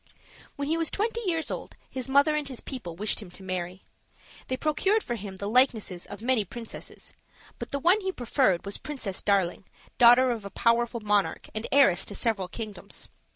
When he was twenty years old his mother and his people wished him to marry. They procured for him the likenesses of many princesses, but the one he preferred was Princess Darling, daughter of a powerful monarch and heiress to several kingdoms.